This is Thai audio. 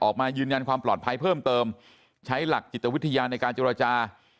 ออกมายืนยันความปลอดภัยเพิ่มเติมใช้หลักจิตวิทยาในการเจรจา